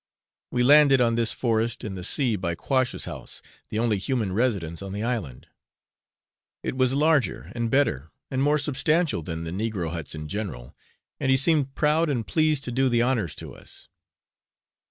We landed on this forest in the sea by Quash's house, the only human residence on the island. It was larger and better, and more substantial than the negro huts in general, and he seemed proud and pleased to do the honours to us.